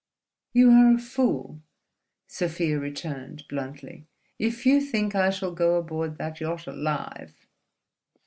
"You are a fool," Sofia returned, bluntly, "if you think I shall go aboard that yacht alive."